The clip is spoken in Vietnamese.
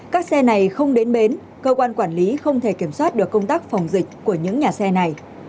các xe này không đến bến cơ quan quản lý không thể kiểm soát được công tác phòng dịch của những nhà xe này